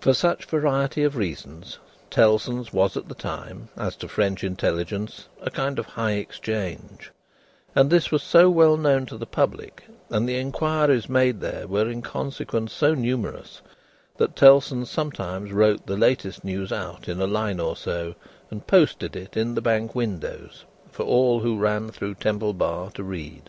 For such variety of reasons, Tellson's was at that time, as to French intelligence, a kind of High Exchange; and this was so well known to the public, and the inquiries made there were in consequence so numerous, that Tellson's sometimes wrote the latest news out in a line or so and posted it in the Bank windows, for all who ran through Temple Bar to read.